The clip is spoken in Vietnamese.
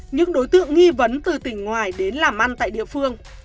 những đối tượng nghi vấn từ tỉnh ngoài đến làm ăn tại địa phương